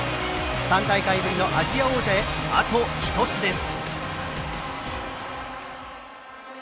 ３大会ぶりのアジア王者へあと１つです。